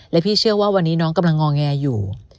และพี่เชื่อว่าวันนี้น้องกำลังงอแงอยู่